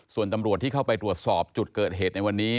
ส่วนตำรวจที่เข้าไปตรวจสอบจุดเกิดเหตุในวันนี้